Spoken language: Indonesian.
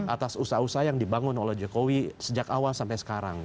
atas usaha usaha yang dibangun oleh jokowi sejak awal sampai sekarang